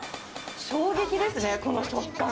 衝撃ですね、この食感。